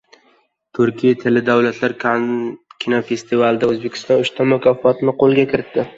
Turkiy tilli davlatlar kinofestivalida O‘zbekiston uchta mukofotni qo‘lga kiritdi